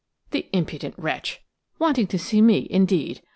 The impudent wretch! Wanting to see me, indeed!